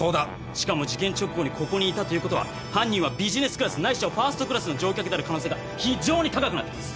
しかも事件直後にここにいたということは犯人はビジネスクラスないしはファーストクラスの乗客である可能性が非常に高くなってきます。